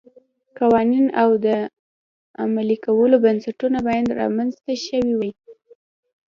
قوانین او د عملي کولو بنسټونه باید رامنځته شوي وای